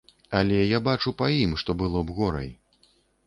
Але я бачу па ім, што было б горай.